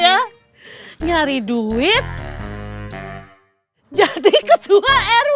yang lagi lambar juga bisa nahanin karun